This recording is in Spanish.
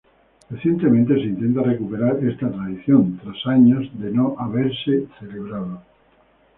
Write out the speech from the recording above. Recientemente se intenta recuperar esta tradición, tras años de no haber sido celebrada.